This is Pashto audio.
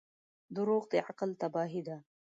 • دروغ د عقل تباهي ده.